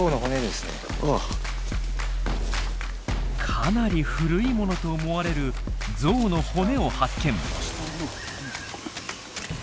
かなり古いものと思われるゾウの骨を発見。